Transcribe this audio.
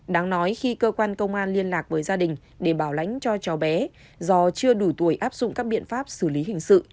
đáng nói khi cơ quan công an liên lạc với gia đình để bảo lãnh cho chó bé do chưa đủ tuổi áp dụng các biện pháp xử lý hình sự